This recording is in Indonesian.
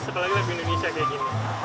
sekali lagi lagu indonesia kayak gini